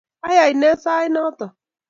Ayay ne sait noto?